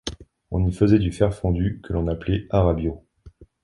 On y faisait du fer fondu que l'on appelait arrabio.